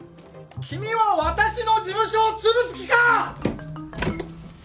君は私の事務所を潰す気か！